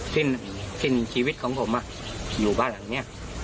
สิ้นชีวิตของผมอยู่บ้านหลังนี้